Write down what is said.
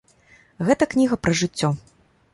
Гэта кніга пра жыццё.